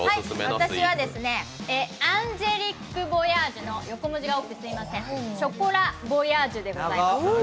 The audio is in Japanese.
私はアンジェリック・ヴォヤージュの、横文字多くてすみません、ショコラヴォヤージュでございます。